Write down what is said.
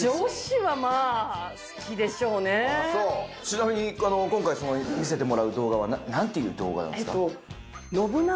ちなみに今回その見せてもらう動画は何ていう動画なんですか？